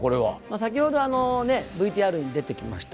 先ほどＶＴＲに出てきました